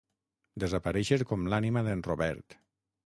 Desaparèixer com l'ànima d'en Robert.